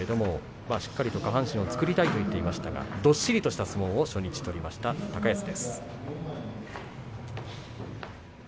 しっかりと下半身を作りたいと言っていましたどっしりとした相撲を取りました高安です。